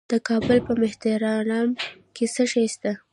د لغمان په مهترلام کې څه شی شته؟